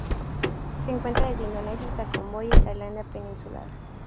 Se encuentra desde Indonesia hasta Camboya y la Tailandia peninsular.